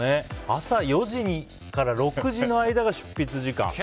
朝４時から６時の間が執筆時間。